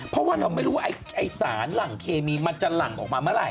เพราะว่าเราไม่รู้ว่าไอ้สารหลั่งเคมีมันจะหลั่งออกมาเมื่อไห